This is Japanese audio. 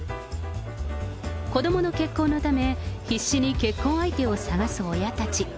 子どもの結婚のため、必死に結婚相手を探す親たち。